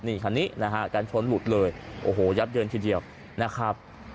นี่คันนี้นะฮะกันชนหลุดเลยโอ้โหยับเยินทีเดียวนะครับ